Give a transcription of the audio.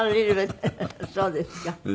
そうですか。